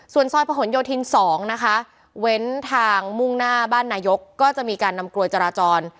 ส่วนซอยประหลโยธิน๒นะคะเว้นทางมุ่งหน้าบ้านนายกก็จะมีการนำกลวยจราจร